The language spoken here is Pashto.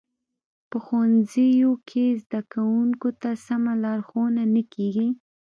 په ښوونځیو کې زده کوونکو ته سمه لارښوونه نه کیږي